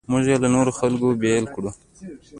موږ یې له نورو خلکو بېل کړو.